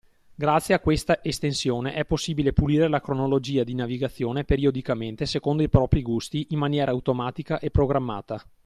Grazie a questa estensione è possibile pulire la cronologia di navigazione periodicamente secondo i propri gusti in maniera automatica e programmata.